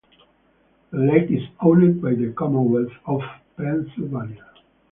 The lake is owned by the Commonwealth of Pennsylvania.